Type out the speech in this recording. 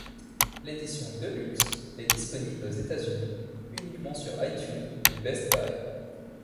L'édition Deluxe est disponible aux États-Unis, uniquement sur Itunes et Best Buy.